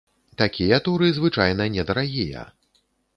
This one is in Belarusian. Такія туры звычайна недарагія.